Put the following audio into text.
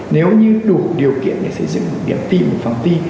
nếu như đủ điều kiện để xây dựng một điểm thi một phòng thi